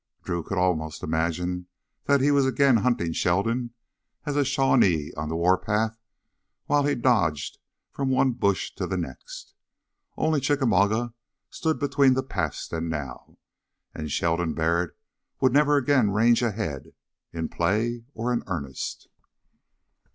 Drew could almost imagine that he was again hunting Sheldon as a "Shawnee" on the warpath while he dodged from one bush to the next. Only Chickamauga stood between the past and now and Sheldon Barrett would never again range ahead, in play or earnest.